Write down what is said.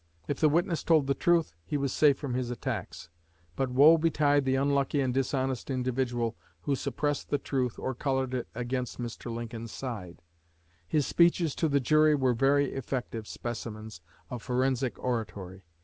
If the witness told the truth, he was safe from his attacks; but woe betide the unlucky and dishonest individual who suppressed the truth or colored it against Mr. Lincoln's side. His speeches to the jury were very effective specimens of forensic oratory.